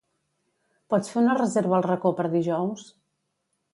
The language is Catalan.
Pots fer una reserva al Racó per dijous?